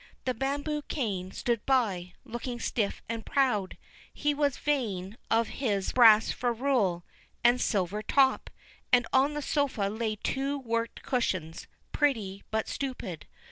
The bamboo cane stood by, looking stiff and proud—he was vain of his brass ferrule and silver top; and on the sofa lay two worked cushions, pretty but stupid.